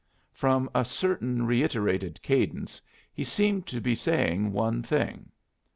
From a certain reiterated cadence, he seemed to be saying one thing.